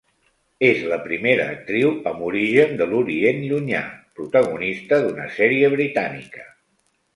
És la primera actriu amb origen de l'Orient Llunyà protagonista d'una sèrie britànica.